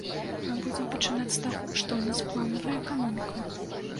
Будзем пачынаць з таго, што ў нас планавая эканоміка.